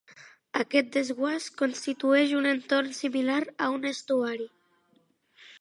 Aquest desguàs constitueix un entorn similar a un estuari.